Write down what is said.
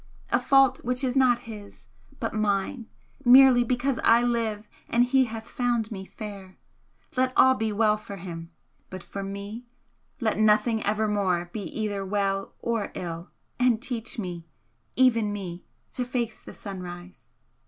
a fault which is not his, but mine, merely because I live and he hath found me fair, let all be well for him, but for me let nothing evermore be either well or ill and teach me even me to face the Sunrise!"